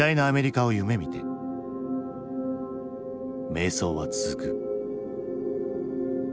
迷走は続く。